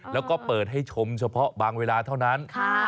แล้วก็เปิดให้ชมเฉพาะบางเวลาเท่านั้น